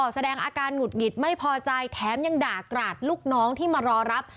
แสดงอาการหงุดหงิดไม่พอใจแถมยังด่ากราดลูกน้องที่มารอรับ